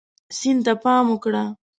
سیند ته پام وکړه.